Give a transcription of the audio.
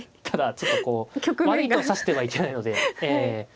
ただちょっとこう悪い手を指してはいけないのでええ